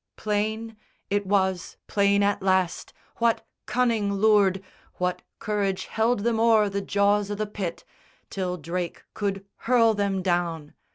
Plain, it was plain at last, what cunning lured, What courage held them over the jaws o' the pit, Till Drake could hurl them down.